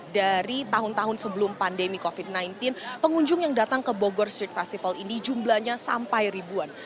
dari tahun tahun sebelum pandemi covid sembilan belas pengunjung yang datang ke bogor street festival ini jumlahnya sampai ribuan